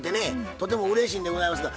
とてもうれしいんでございますが。